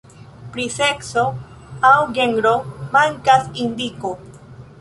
Pri sekso aŭ genro mankas indiko.